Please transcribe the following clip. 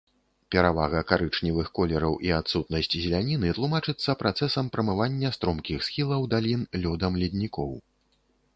Перавага карычневых колераў і адсутнасць зеляніны тлумачыцца працэсам прамывання стромкіх схілаў далін лёдам леднікоў.